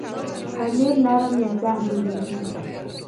پنېر نرم یا سخت جوړېږي.